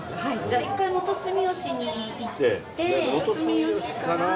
じゃあ一回元住吉に行って。